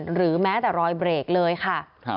หรือแม้แต่รอยเบรกเลยค่ะ